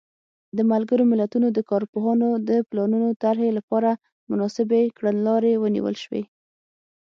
د ملګرو ملتونو د کارپوهانو د پلانونو طرحې لپاره مناسبې کړنلارې ونیول شوې.